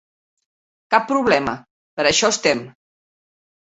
Cap problema, per a això estem.